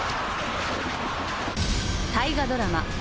大河ドラマ